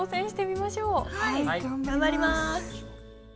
頑張ります！